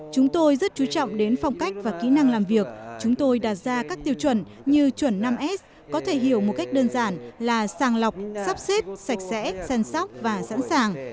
chúng tôi rất chú trọng đến phong cách và kỹ năng làm việc chúng tôi đặt ra các tiêu chuẩn như chuẩn năm s có thể hiểu một cách đơn giản là sàng lọc sắp xếp sạch sẽ chăm sóc và sẵn sàng